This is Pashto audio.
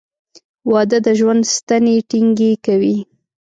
• واده د ژوند ستنې ټینګې کوي.